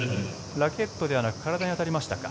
ラケットではなく体に当たりましたか。